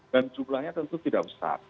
dan jumlahnya tentu tidak besar